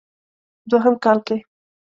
دوهم کال کې